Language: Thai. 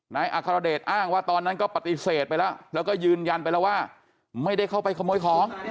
นายอัครเดชอ้างว่าตอนนั้นก็ปฏิเสธไปแล้วแล้วก็ยืนยันไปแล้วว่าไม่ได้เข้าไปขโมยของ